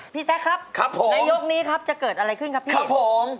พี่แซ็คครับในโยคนี้จะเกิดอะไรขึ้นครับพี่ครับผม